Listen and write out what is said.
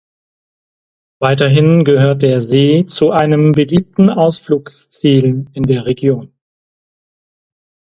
Weiterhin gehört der See zu einem beliebten Ausflugsziel in der Region.